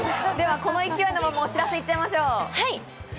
この勢いのまま、お知らせ行っちゃいましょう。